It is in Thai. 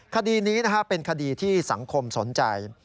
คดีนี้เป็นคดีที่สังคมสนใจ